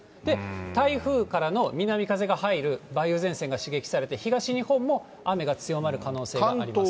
台風からの南風が入る、梅雨前線が刺激されて、東日本も雨が強まる可能性があります。